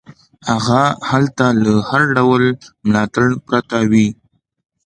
هغه هلته له هر ډول ملاتړ پرته وي.